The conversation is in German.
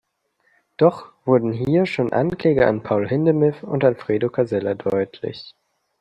Doch wurden hier schon Anklänge an Paul Hindemith und Alfredo Casella deutlich.